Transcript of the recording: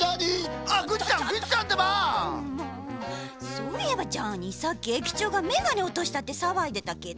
そういえばジャーニーさっきえきちょうがメガネおとしたってさわいでたけど。